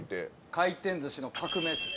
回転寿司の革命ですね。